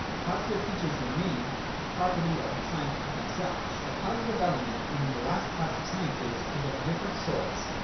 The positive features remain the property of the sciences themselves. The positive element in the last class of sciences is of different sorts.